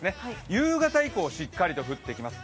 夕方以降、しっかりと降ってきます